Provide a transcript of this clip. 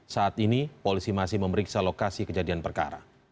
saat ini polisi masih memeriksa lokasi kejadian perkara